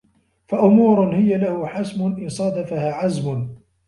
فَأُمُورٌ هِيَ لَهُ حَسْمٌ إنْ صَادَفَهَا عَزْمٌ